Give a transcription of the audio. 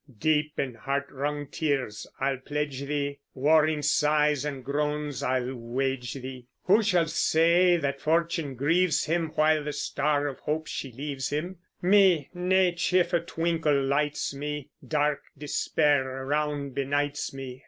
Deep in heart wrung tears I'll pledge thee, Warring sighs and groans I'll wage thee. Who shall say that Fortune grieves him While the star of hope she leaves him? Me, nae cheerfu' twinkle lights me; Dark despair around benights me.